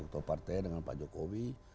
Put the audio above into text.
atau partai dengan pak jokowi